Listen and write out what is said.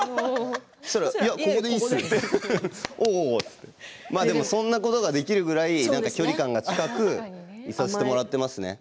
それがここでいいですよと言ってそんなことができるぐらい距離感が近くいさせてもらっていますね。